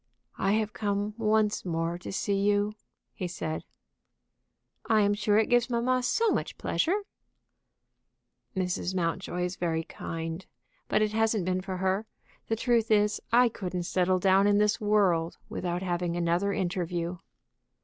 "I have come once more to see you," he said. "I am sure it gives mamma so much pleasure." "Mrs. Mountjoy is very kind. But it hasn't been for her. The truth is, I couldn't settle down in this world without having another interview."